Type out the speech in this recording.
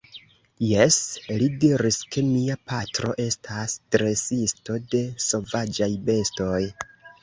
Jes, li diris, ke mia patro estas dresisto de sovaĝaj bestoj.